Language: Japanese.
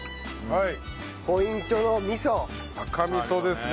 はい。